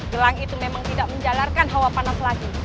gelang itu memang tidak menjalarkan hawa panas lagi